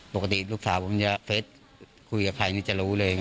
ปกติลูกสาวผมจะเฟสคุยกับใครนี่จะรู้เลย